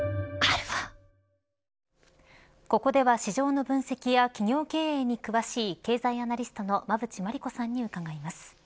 ここでは市場の分析や企業経営に詳しい経済アナリストの馬渕磨理子さんに伺います。